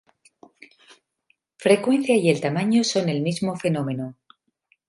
Frecuencia y el tamaño son el mismo fenómeno.